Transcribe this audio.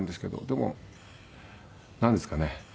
でもなんですかね。